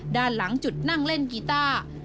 ด้านหลังจุดนั่งเล่นกีต้า